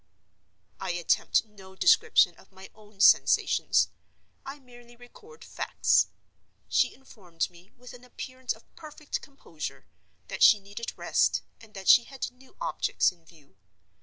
I attempt no description of my own sensations: I merely record facts. She informed me, with an appearance of perfect composure, that she needed rest, and that she had "new objects in view."